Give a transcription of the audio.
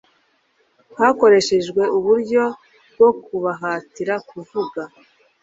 hakoreshejwe uburyo bwo kubahatira kuvuga